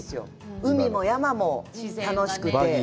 海も山も楽しくて。